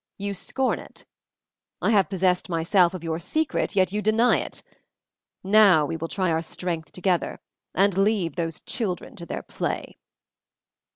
You scorn it. I have possessed myself of your secret, yet you deny it. Now we will try our strength together, and leave those children to their play."